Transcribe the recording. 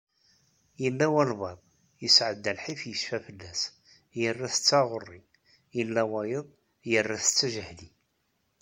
Yella walbeεd, yesεedda lḥif yecfa fell-as, yerra-t d taɣuri, yella wayeḍ, yerra-t d tijehli.